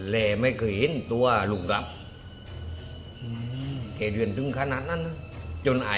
เลยไม่เคยเห็นตัวลูกกับอือเกรียญถึงขนาดนั้นน่ะ